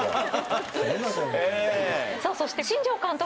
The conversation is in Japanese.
さあそして新庄監督。